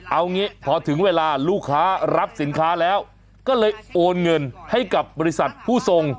เอางี้พอถึงเวลาลูกค้ารับสินค้าแล้วก็เลยโอนเงินให้กับบริษัทผู้ส่ง